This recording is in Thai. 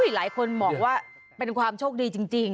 หลายคนบอกว่าเป็นความโชคดีจริง